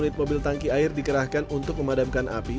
dua unit mobil tangki air dikerahkan untuk memadamkan api